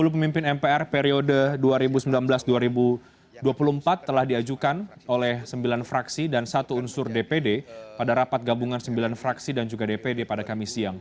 sepuluh pemimpin mpr periode dua ribu sembilan belas dua ribu dua puluh empat telah diajukan oleh sembilan fraksi dan satu unsur dpd pada rapat gabungan sembilan fraksi dan juga dpd pada kamis siang